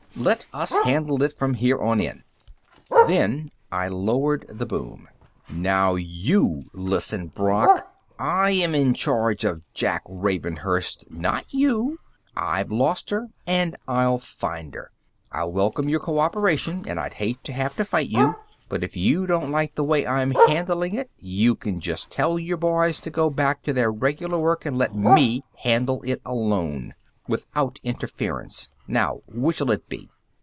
Let us handle it from here on in!" Then I lowered the boom. "Now you listen, Brock. I am in charge of Jack Ravenhurst, not you. I've lost her, and I'll find her. I'll welcome your co operation, and I'd hate to have to fight you, but if you don't like the way I'm handling it, you can just tell your boys to go back to their regular work and let me handle it alone, without interference. Now, which'll it be?"